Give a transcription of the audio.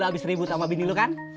lu abis ribut sama bini lu kan